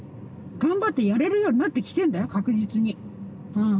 頑張ってやれるようになってきてんだよ確実にうん。